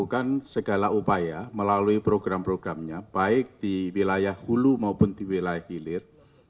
melakukan segala upaya melalui program programnya baik di wilayah hulu maupun di wilayah hilir